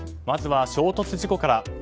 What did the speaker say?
まずは衝突事故から。